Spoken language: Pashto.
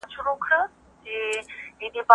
حقیقت مه هېروئ.